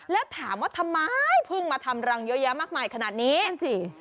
แล้วถามว่าทำไมเพิ่งมาทำรังเยอะแยะมากมายขนาดนี้นั่นสิ